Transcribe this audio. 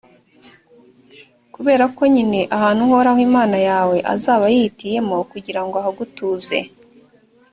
kubera ko nyine ahantu uhoraho imana yawe azaba yihitiyemo kugira ngo ahagutuze